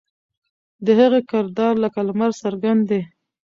د هغې کردار لکه لمر څرګند دی.